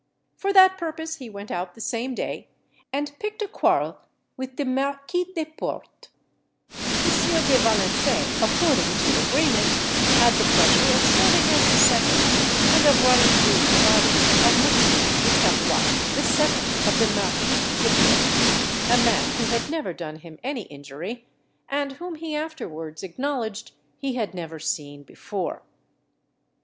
For that purpose he went out the same day, and picked a quarrel with the Marquis des Portes. M. de Valençay, according to agreement, had the pleasure of serving as his second, and of running through the body M. de Cavois, the second of the Marquis des Portes, a man who had never done him any injury, and whom he afterwards acknowledged he had never seen before.